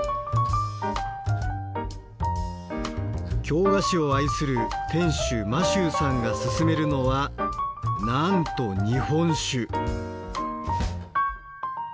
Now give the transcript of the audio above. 京菓子を愛する店主真秀さんがすすめるのはなんと日本酒。